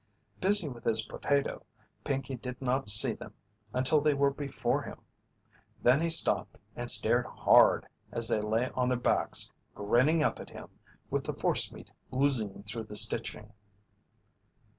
Busy with his potato, Pinkey did not see them until they were before him. Then he stopped and stared hard as they lay on their backs grinning up at him with the "forcemeat" oozing through the stitching.